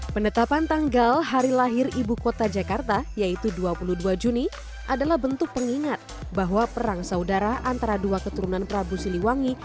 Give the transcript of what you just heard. penetapan tanggal hari lahir ibu kota jakarta yaitu dua puluh dua juni adalah bentuk pengingat bahwa perang saudara antara dua keturunan prabu siliwangi